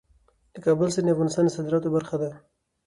د کابل سیند د افغانستان د صادراتو برخه ده.